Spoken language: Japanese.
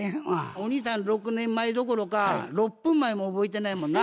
お兄さん６年前どころか６分前も覚えてないもんな？